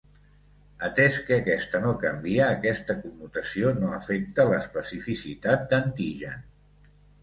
Atès que aquesta no canvia, aquesta commutació no afecta l'especificitat d'antigen.